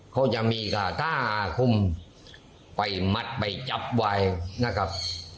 เขาจะมีค่ะถ้าคุมไปมัดไปจับไว้นะครับ